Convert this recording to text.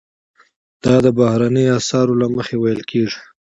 دا د بهرنیو اسعارو له مخې ویل کیږي.